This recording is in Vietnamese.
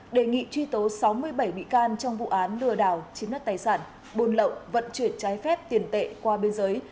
đề nghị truy tố sáu mươi bảy bị can trong vụ án lừa đảo chiếm đất tài sản buôn lậu vận chuyển trái phép tiền tệ qua biên giới